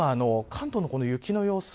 まずは関東の雪の様子